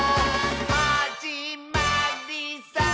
「はじまりさー」